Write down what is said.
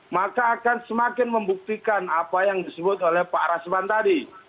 maka akan semakin membuktikan apa yang disebut oleh pak rasman tadi